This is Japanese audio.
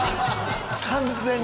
完全に。